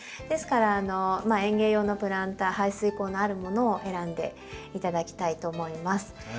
ですから園芸用のプランター排水口のあるものを選んで頂きたいと思います。